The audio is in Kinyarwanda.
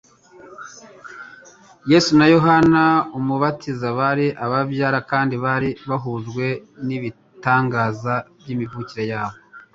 Yesu na Yohana Umubatiza bari ababyara kandi bari bahujwe n'ibitangaza by'imivukire yabo;